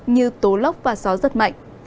như tố lốc và gió rất mạnh